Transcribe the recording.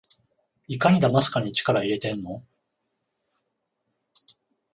いかにだますかに力いれてんの？